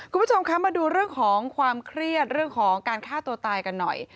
คุณผู้ชมคะมาดูเรื่องของความเครียดเรื่องของการฆ่าตัวตายกันหน่อย